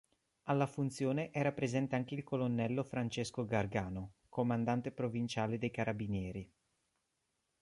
Alla funzione era presente anche il Colonnello Francesco Gargano, Comandante Provinciale dei Carabinieri.